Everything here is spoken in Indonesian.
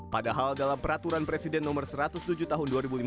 padahal dalam peraturan presiden nomor satu ratus tujuh tahun dua ribu lima belas